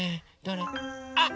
あっ！